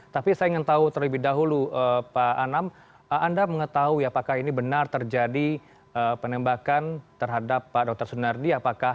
tapi saya ingin tahu terlebih dahulu pak anam anda mengetahui apakah ini benar terjadi penembakan terhadap pak dr sunardi